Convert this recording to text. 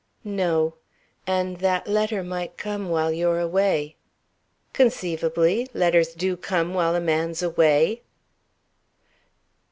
"No. And that letter might come while you're away." "Conceivably. Letters do come while a man's away!"